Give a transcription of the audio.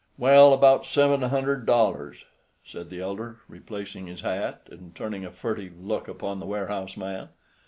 "Well, about seven hundred dollars," said the elder, replacing his hat, and turning a furtive look upon the warehouse man.